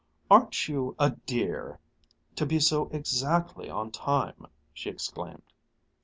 "Aren't you a dear, to be so exactly on time!" she exclaimed.